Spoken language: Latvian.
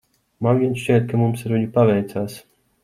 Man gan šķiet, ka mums ar viņu paveicās.